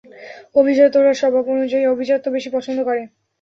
অভিজাতরা স্বভাব অনুযায়ী আভিজাত্য বেশি পছন্দ করে।